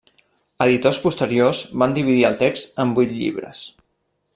Editors posteriors van dividir el text en vuit llibres.